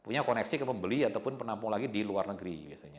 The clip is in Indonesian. punya koneksi ke pembeli ataupun penampung lagi di luar negeri